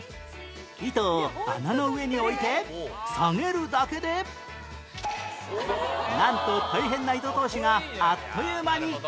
糸を穴の上に置いて下げるだけでなんと大変な糸通しがあっという間に